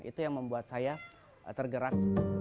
itu yang membuat saya tergerak